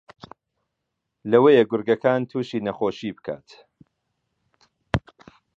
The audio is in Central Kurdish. لەوەیە گورگەکان تووشی نەخۆشی بکات